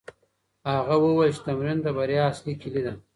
هغه وویل چې تمرين د بریا اصلي کیلي ده.